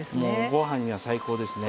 ご飯には最高ですね。